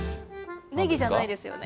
ねぎじゃないですよね。